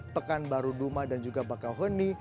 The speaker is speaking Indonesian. pekan baru duma dan juga bakauheni